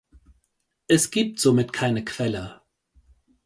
Es gibt somit keine Quelle.